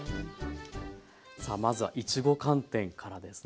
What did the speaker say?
さあまずはいちご寒天からですね。